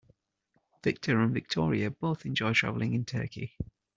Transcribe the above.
Victor and Victoria both enjoy traveling in Turkey.